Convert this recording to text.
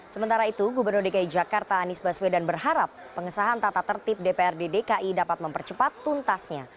sementara itu gubernur dki jakarta anies baswedan berharap pengesahan tata tertib dprd dki dapat mempercepat tuntasnya